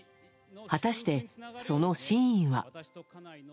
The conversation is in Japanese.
果たして、その真意は。